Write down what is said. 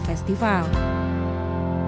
selamat hari kebahagiaan